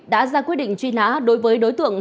đã ra quyết định truy nã đối với đối tượng